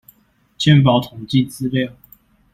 健保統計資料